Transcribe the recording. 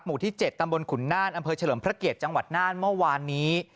หมู่ที่๗ตำบลขุนน่านอำเภอเฉลิมพระเกียรติจังหวัดน่านเมื่อวานนี้